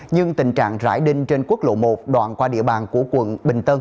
nhưng tình trạng rải đinh trên quốc lộ một đoạn qua địa bàn của quận bình tân